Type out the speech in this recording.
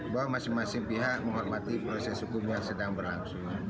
bahwa masing masing pihak menghormati proses hukum yang sedang berlangsung